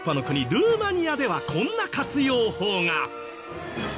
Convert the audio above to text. ルーマニアではこんな活用法が。